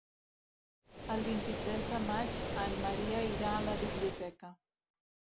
El vint-i-tres de maig en Maria irà a la biblioteca.